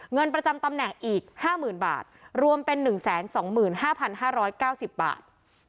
เงินประจำตำแหน่งอีกห้าหมื่นบาทรวมเป็นหนึ่งแสนสองหมื่นห้าพันห้าร้อยเก้าสิบบาท